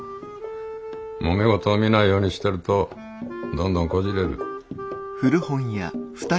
もめ事を見ないようにしてるとどんどんこじれる。